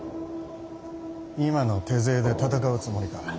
今の手勢で戦うつもりか。